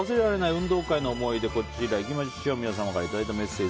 運動会の思い出皆様からいただいたメッセージ。